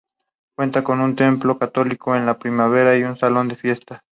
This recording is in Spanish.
Son de planta rectangular.